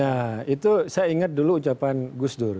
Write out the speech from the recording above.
ya itu saya ingat dulu ucapan gus dur